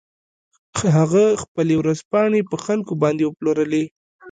هغه خپلې ورځپاڼې په خلکو باندې وپلورلې.